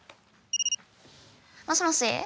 もしもし？